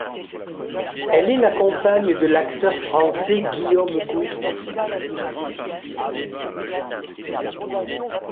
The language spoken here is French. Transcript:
Elle est la compagne de l'acteur français Guillaume Gouix.